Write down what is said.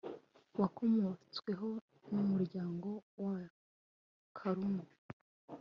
wakomotsweho n umuryango w Abakarumi